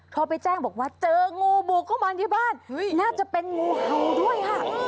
พอไปแจ้งบอกว่าเจองูบุกเข้ามาที่บ้านน่าจะเป็นงูเห่าด้วยค่ะ